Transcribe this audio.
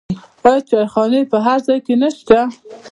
آیا چایخانې په هر ځای کې نشته؟